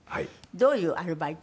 どういうアルバイト？